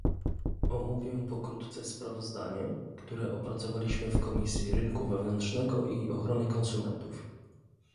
Omówię pokrótce sprawozdanie, które opracowaliśmy w Komisji Rynku Wewnętrznego i Ochrony Konsumentów